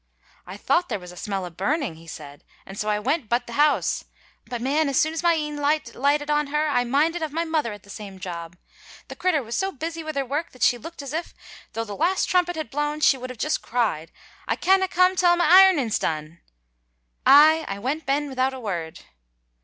"I thought there was a smell o' burning," he said, "and so I went butt the house; but man, as soon as my een lighted on her I minded of my mother at the same job. The crittur was so busy with her work that she looked as if, though the last trumpet had blawn, she would just have cried, 'I canna come till my ironing's done!' Ay, I went ben without a word."